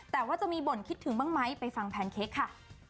แต่ว่าจะมีบ่นคิดถึงบ้างไหมไปฟังแพนเค้กค่ะ